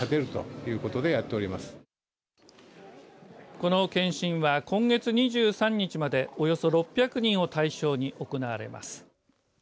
この検診は今月２３日までおよそ６００人を対象に行われます。